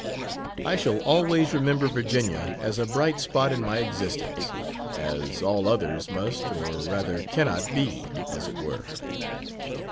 I shall always remember Virginia as a bright spot in my existence, as all others must or rather cannot be, as it were.